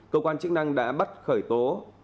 cơ quan chức năng đã bắt khởi tố